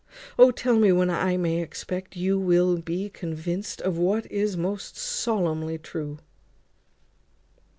O! tell me when I may expect you will be convinced of what is most solemnly true."